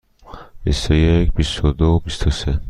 بیست و یک، بیست و دو، بیست و سه.